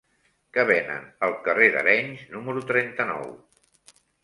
Què venen al carrer d'Arenys número trenta-nou?